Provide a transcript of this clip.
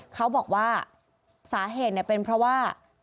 เขาบอกว่าสาเหตุเป็นเพราะว่า